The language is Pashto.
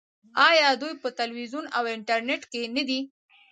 آیا دوی په تلویزیون او انټرنیټ کې نه دي؟